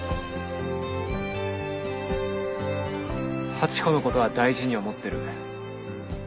ハチ子のことは大事に思ってる。